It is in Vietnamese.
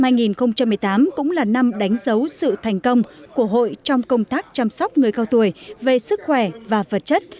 năm hai nghìn một mươi tám cũng là năm đánh dấu sự thành công của hội trong công tác chăm sóc người cao tuổi về sức khỏe và vật chất